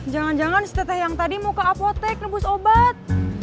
jangan jangan si teteh yang tadi mau ke apotek nebus obat